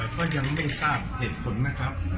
ก็ยังไม่ทราบเหตุผลนะครับ